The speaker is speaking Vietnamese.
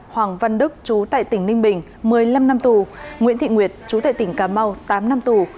hoàng văn đức chú tại tỉnh ninh bình một mươi năm năm tù nguyễn thị nguyệt chú tại tỉnh cà mau tám năm tù